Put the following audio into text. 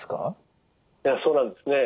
そうなんですね。